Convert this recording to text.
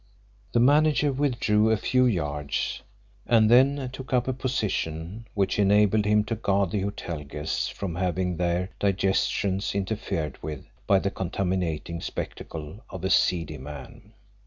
The manager withdrew a few yards, and then took up a position which enabled him to guard the hotel guests from having their digestions interfered with by the contaminating spectacle of a seedy man.